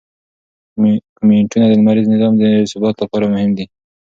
کومیټونه د لمریز نظام د ثبات لپاره مهم دي.